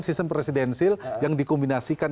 season presidensil yang dikombinasikan